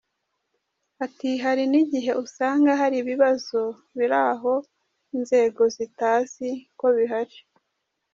Ati”Hari n’igihe usanga hari ibibazo biri aho inzego zitazi ko bihari.